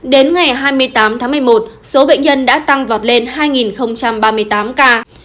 đến ngày hai mươi tám tháng một mươi một số bệnh nhân đã tăng vọt lên hai ba mươi tám ca